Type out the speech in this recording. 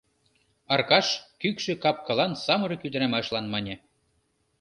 — Аркаш кӱкшӧ кап-кылан самырык ӱдырамашлан мане.